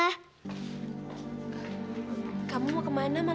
tapi kamu udahj solche jarak